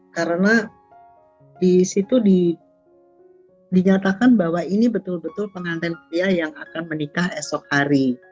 karena di situ dinyatakan bahwa ini betul betul pengantin pria yang akan menikah esok hari